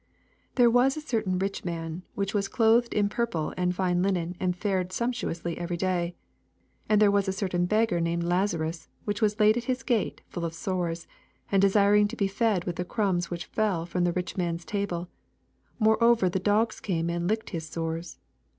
19 There was a certain rich man, which was clothed in purple, and fine linen, and fared sumptuously every day: 20 And there was a certain beggar named Lazams, which was laid at his gate, fall of sores, 21 And desiring to be fed with the crumbs w'hich fell from the rich man^s table : moreover the dogs came and licked his sores.